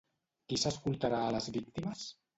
Qui s'escoltarà a les víctimes?